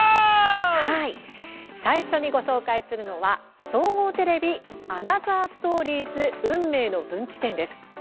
最初にご紹介するのは総合テレビ「アナザーストーリーズ運命の分岐点」です。